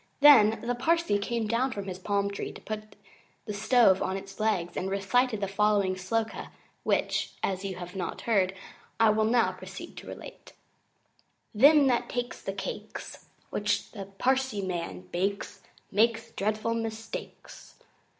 Then the Parsee came down from his palm tree and put the stove on its legs and recited the following Sloka, which, as you have not heard, I will now proceed to relate: Them that takes cakes Which the Parsee man bakes Makes dreadful mistakes.